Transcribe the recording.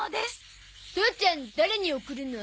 父ちゃん誰に送るの？